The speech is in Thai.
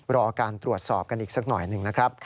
รอการตรวจสอบกันอีกสักหน่อยหนึ่งนะครับ